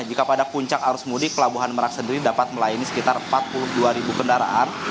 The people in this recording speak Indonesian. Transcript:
jika pada puncak arus mudik pelabuhan merak sendiri dapat melayani sekitar empat puluh dua ribu kendaraan